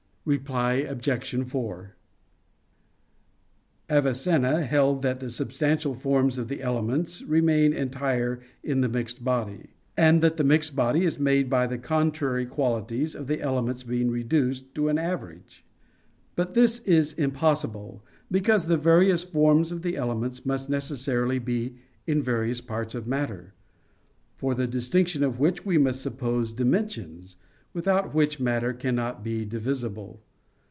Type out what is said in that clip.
Reply Obj. 4: Avicenna held that the substantial forms of the elements remain entire in the mixed body; and that the mixture is made by the contrary qualities of the elements being reduced to an average. But this is impossible, because the various forms of the elements must necessarily be in various parts of matter; for the distinction of which we must suppose dimensions, without which matter cannot be divisible.